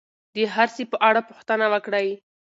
د هر سي په اړه پوښتنه وکړئ.